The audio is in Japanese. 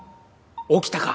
起きたか？